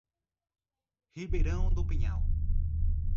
Ribeirão do Pinhal